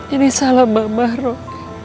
ini salah mama roy